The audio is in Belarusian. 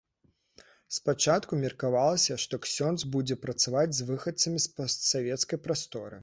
Спачатку меркавалася, што ксёндз будзе працаваць з выхадцамі з постсавецкай прасторы.